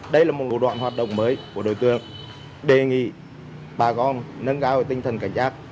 đây là một đoạn hoạt động mới của đối tượng đề nghị bà con nâng cao tinh thần cảnh giác